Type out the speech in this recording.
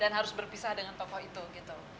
dan harus berpisah dengan tokoh itu gitu